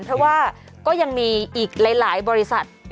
เพราะว่าก็ยังมีอีกหลายบริษัท